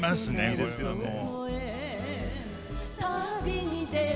これはもう。